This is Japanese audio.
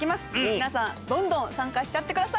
皆さんどんどん参加しちゃってください。